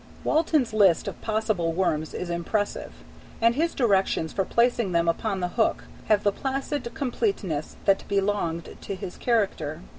Walton's list of possible worms is impressive, and his directions for placing them upon the hook have the placid completeness that belonged to his character.